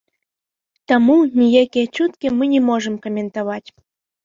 Таму ніякія чуткі мы не можам каментаваць.